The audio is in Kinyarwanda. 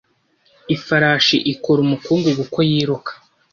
Ifarashi ikora umukungugu uko yiruka.